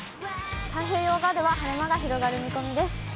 太平洋側では晴れ間が広がる見込みです。